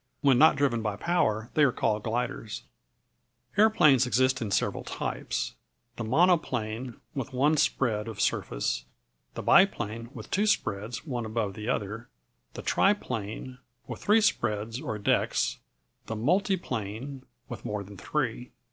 When not driven by power they are called gliders. [Illustration: A biplane glider.] Aeroplanes exist in several types: the monoplane, with one spread of surface; the biplane, with two spreads, one above the other; the triplane, with three spreads, or decks; the multiplane, with more than three.